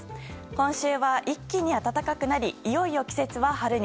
今週は一気に暖かくなりいよいよ季節は春に。